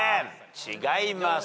違います。